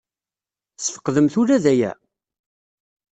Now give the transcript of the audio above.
Tesfeqdemt ula d aya?